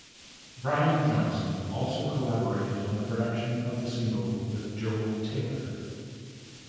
Brian Johnson also collaborated on the production of the single with Joel Taylor.